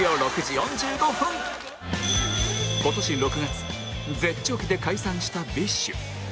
今年６月絶頂期で解散した ＢｉＳＨ